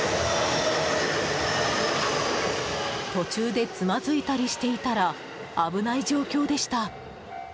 途中でつまづいたりしていたら危ない状況でした。